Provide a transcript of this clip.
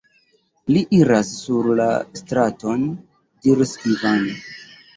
Li iras sur la straton, diris Ivan.